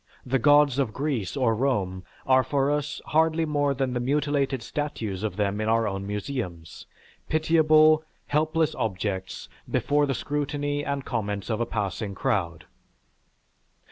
The Gods of Greece or Rome are for us hardly more than the mutilated statues of them in our own museums; pitiable, helpless objects before the scrutiny and comments of a passing crowd.